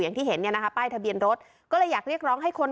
อย่างที่เห็นเนี่ยนะคะป้ายทะเบียนรถก็เลยอยากเรียกร้องให้คน